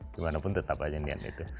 gimana pun tetap aja niatnya itu